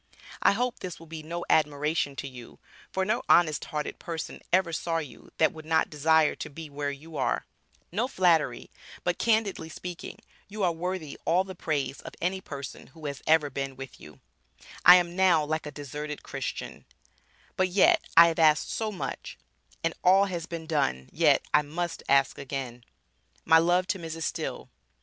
I hope this will be no admiration to you for no honest hearted person ever saw you that would not desire to be where you are, No flattery, but candidly speaking, you are worthy all the praise of any person who has ever been with you, I am now like a deserted Christian, but yet I have asked so much, and all has been done yet I must ask again, My love to Mrs. Still.